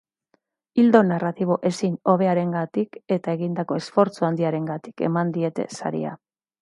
Ildo narratibo ezin hobearengatik eta egindako esfortzu handiarengatik eman diete saria.